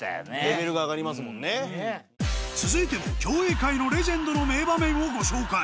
続いても競泳界のレジェンドの名場面をご紹介